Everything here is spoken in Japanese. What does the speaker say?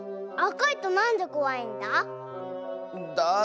あかいとなんでこわいんだ？